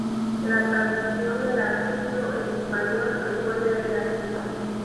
La traducción del artículo en español lo puede ver aquí.